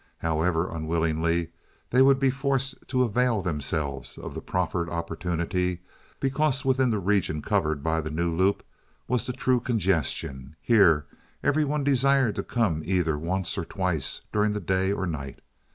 However unwillingly, they would be forced to avail themselves of the proffered opportunity, because within the region covered by the new loop was the true congestion—here every one desired to come either once or twice during the day or night.